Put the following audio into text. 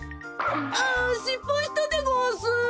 ああっしっぱいしたでごわす。